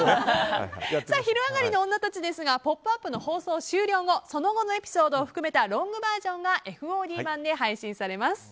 「昼上がりのオンナたち」は「ポップＵＰ！」の放送終了後その後のエピソードを含めたロングバージョンがＦＯＤ版で配信されます。